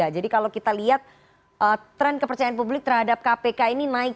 jadi kalau kita lihat trend kepercayaan publik terhadap kpk ini naik